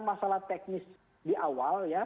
masalah teknis di awal